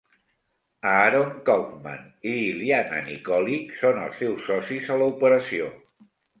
Aaron Kaufman i Iliana Nikolic són els seus socis a la operació.